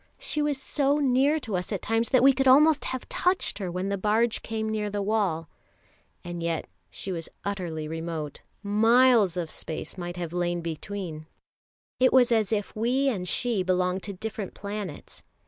She was so near to us at times that we could almost have touched her when the barge came near the wall; and yet she was utterly remote, miles of space might have lain between; it was as if we and she belonged to different planets.